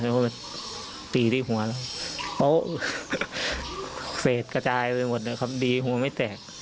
แล้วเขาไปปีที่หัวแล้วโอ๊ะเสร็จกระจายไปหมดอ่ะคำดีหัวไม่แตก